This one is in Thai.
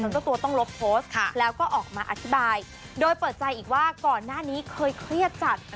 เจ้าตัวต้องลบโพสต์แล้วก็ออกมาอธิบายโดยเปิดใจอีกว่าก่อนหน้านี้เคยเครียดจัด